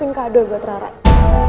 ini ada berarti